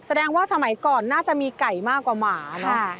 แสดงว่าสมัยก่อนน่าจะมีไก่มากกว่าหมาเนอะ